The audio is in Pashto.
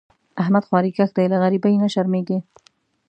احمد خواریکښ دی؛ له غریبۍ نه شرمېږي.